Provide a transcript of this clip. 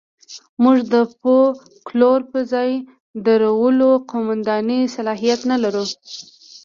موږ د فوکلور پر ځای درولو قوماندې صلاحیت نه لرو.